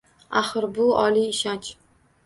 Axir, bu – oliy ishonch